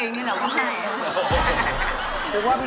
เอาของแดมมาชนของสวยอย่างงานตรงนี้ครับคุณแม่ตั๊ก